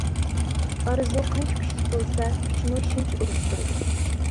ئارزۇ قانچە كۈچلۈك بولسا، كۈچمۇ شۇنچە ئۇرغۇپ تۇرىدۇ.